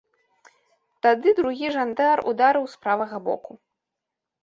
Тады другі жандар ударыў з правага боку.